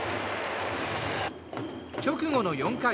直後の４回。